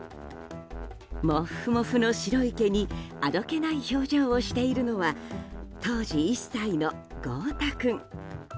もっふもふの白い毛にあどけない表情をしているのは当時１歳の豪太君。